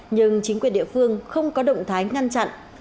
nhưng chính quyền địa phương không có động thái ngăn chặn